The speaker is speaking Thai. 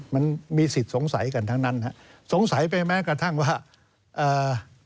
มันมีสิทธิ์สงสัยกันทั้งนั้นฮะสงสัยไปแม้กระทั่งว่าเอ่อ